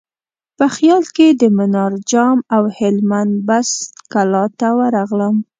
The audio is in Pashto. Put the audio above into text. په خیال کې د منار جام او هلمند بست کلا ته ورغلم.